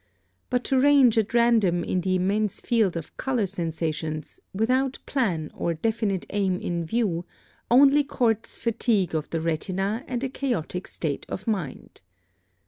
But to range at random in the immense field of color sensations, without plan or definite aim in view, only courts fatigue of the retina and a chaotic state of mind.